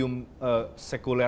bukan negara sekuler